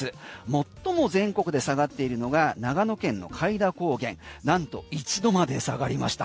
最も全国で下がっているのが長野県の開田高原なんと１度まで下がりました。